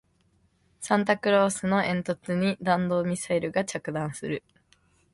サンタクロースの煙突に弾道ミサイルが着弾する